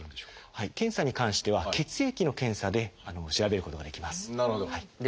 検査に関しては血液の検査で調べることができます。